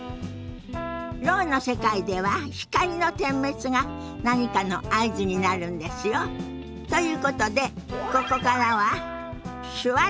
ろうの世界では光の点滅が何かの合図になるんですよ。ということでここからは「手話っとストレッチ」のお時間ですよ。